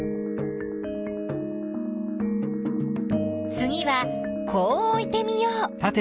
つぎはこうおいてみよう。